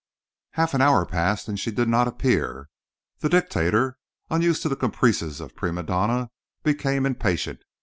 Half an hour passed and she did not appear. The dictator, unused to the caprices of prime donne, became impatient.